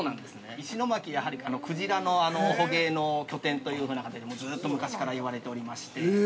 石巻は、やはりくじらの捕鯨の拠点というふうな形で、ずうっと昔から言われておりまして。